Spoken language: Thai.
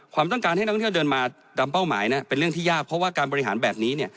ความต้องการให้นักท่องเที่ยวเดินมาตามเป้าหมายนะเป็นเรื่องที่ยากเพราะว่าการบริหารแบบนี้เนี่ย